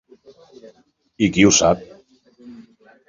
I qui ho sap?